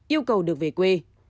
yêu cầu được về quê